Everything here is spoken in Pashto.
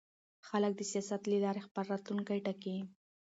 خلک د سیاست له لارې خپل راتلونکی ټاکي